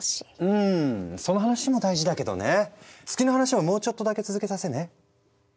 うんその話も大事だけどね月の話ももうちょっとだけ続けさせてね。